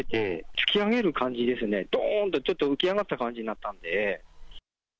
突き上げる感じですね、どーんと、ちょっと浮き上がった感じになったんで。